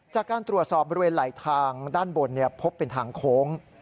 จากการตรวจสอบบริเวณไหลทางด้านบนพบเป็นทางโค้ง